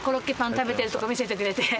食べてるとこ見せてくれて。